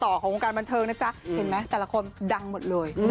ของวงการบันเทิงนะจ๊ะเห็นไหมแต่ละคนดังหมดเลย